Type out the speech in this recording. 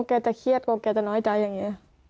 แกจะเครียดกลัวแกจะน้อยใจอย่างนี้